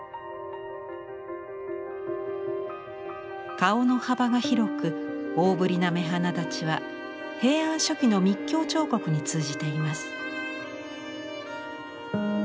顔の幅が広く大ぶりな目鼻だちは平安初期の密教彫刻に通じています。